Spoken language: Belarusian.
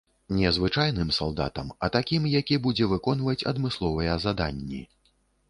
Не звычайным салдатам, а такім, які будзе выконваць адмысловыя заданні.